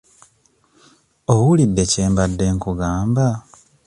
Owulidde kye mbadde nkugamba?